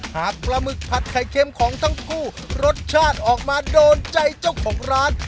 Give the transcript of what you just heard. หากปลาหมึกผัดไข่เค็มของทั้งคู่รสชาติออกมาโดนใจเจ้าของร้าน